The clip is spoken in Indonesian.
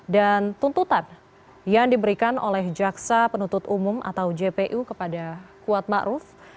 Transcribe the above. dan tuntutan yang diberikan oleh jaksa penutut umum atau jpu kepada kuat ma'ruf